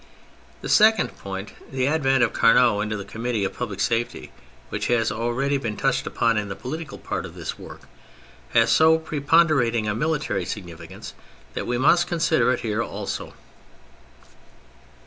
The second point, the advent of Carnot into the Committee of Public Safety, which has already been touched upon in the political part of this work, has so preponderating a military significance that we miust consider it here also.